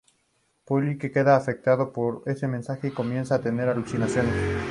Paulie queda muy afectado por ese mensaje y comienza a tener alucinaciones.